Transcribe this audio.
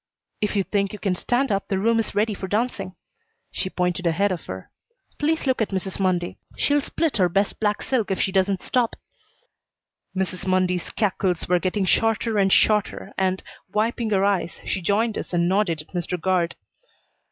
"If you think you can stand up, the room is ready for dancing." She pointed ahead of her. "Please look at Mrs. Mundy. She'll split her best black silk if she doesn't stop." Mrs. Mundy's cackles were getting shorter and shorter and, wiping her eyes, she joined us and nodded at Mr. Guard.